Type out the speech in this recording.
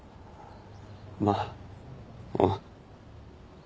まあうん。